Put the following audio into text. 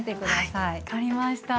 はい分かりました。